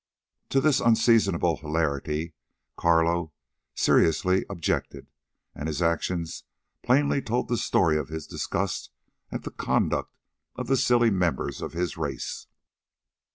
To this unseasonable hilarity Carlo seriously objected, and his actions plainly told the story of his disgust at the conduct of the silly members of his race.